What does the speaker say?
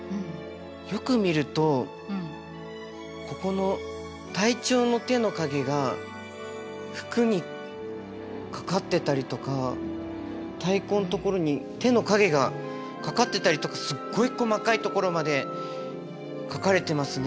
よく見るとここの隊長の手の影が服にかかってたりとか太鼓のところに手の影がかかってたりとかすっごい細かいところまで描かれてますね影を。